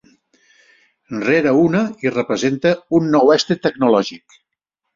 Rere una i representa un nou estri tecnològic.